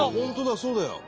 そうだよ。